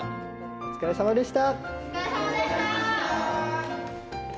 お疲れさまでした。